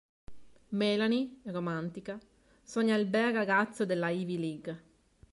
Melanie, romantica, sogna il bel ragazzo della Ivy League.